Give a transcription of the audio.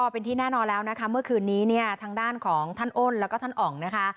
เป็นที่แน่นอนแล้วเมื่อคืนนี้ทางด้านของท่านโอนและท่านองค์